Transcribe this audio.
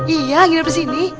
iya nginep disini